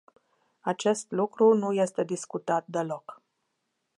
Acest lucru nu este discutat deloc.